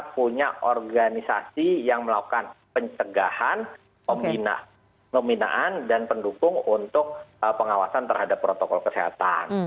punya organisasi yang melakukan pencegahan pembinaan dan pendukung untuk pengawasan terhadap protokol kesehatan